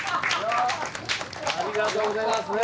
ありがとうございますね。